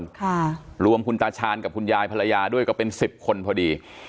ค่ะรวมคุณตาชาญกับคุณยายภรรยาด้วยก็เป็นสิบคนพอดี